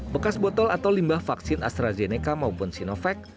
bekas botol atau limbah vaksin astrazeneca maupun sinovac